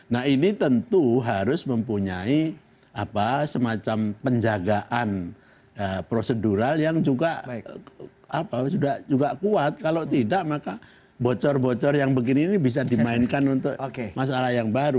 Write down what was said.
nah ini tentu harus mempunyai semacam penjagaan prosedural yang juga sudah kuat kalau tidak maka bocor bocor yang begini ini bisa dimainkan untuk masalah yang baru